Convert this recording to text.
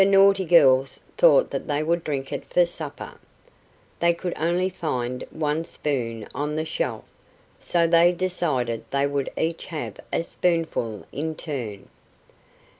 The naughty girls thought that they would drink it for supper. They could only find one spoon on the shelf, so they decided they would each have a spoonful in turn.